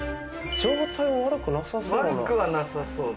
状態悪くなさそう。